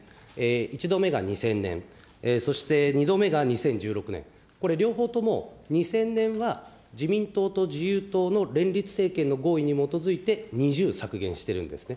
１度目が２０００年、そして２度目が２０１６年、これ、両方とも２０００年は自民党と自由党の連立政権の合意に基づいて２０削減してるんですね。